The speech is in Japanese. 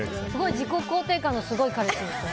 自己肯定感のすごい彼氏ですね。